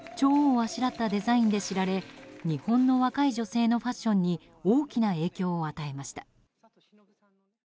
蝶をあしらったデザインで知られ日本の若い女性のファッションに大きな影響を与えました。